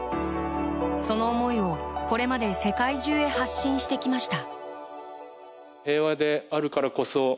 その思いを、これまで世界中へ発信してきました。